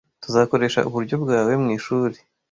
Tuzakoresha uburyo bwawe mwishuri